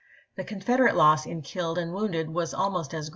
The Con federate loss in killed and wounded was almost as w.